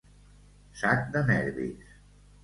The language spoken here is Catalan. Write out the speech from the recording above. Sac de nervis.